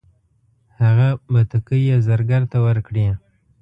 هغه بتکۍ یې زرګر ته ورکړې.